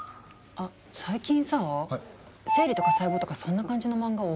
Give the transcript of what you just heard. あっ最近さぁ生理とか細胞とかそんな感じの漫画多くない？